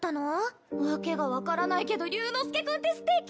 訳が分からないけど竜之介君ってすてき！